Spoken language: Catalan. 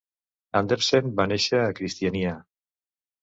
Andersen va néixer a Kristiania.